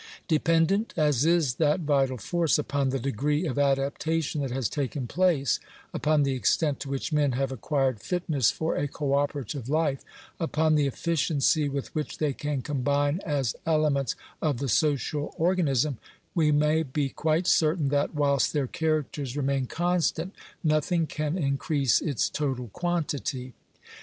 Dependent as is that vital force upon the degree of adaptation that has taken place — upon the extent to which* men have acquired fitness for a co operative life — upon the efficiency with which they can combine as elements of the social organism, we may be quite certain that, whilst their characters remain constant, nothing can increase its total quantity.